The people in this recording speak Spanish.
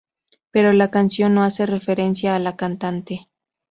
Pero la canción no hace referencia a la cantante.